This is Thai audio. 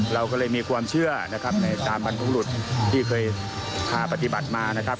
เราก็เลยมีความเชื่อนะครับในตามบรรพบุรุษที่เคยพาปฏิบัติมานะครับ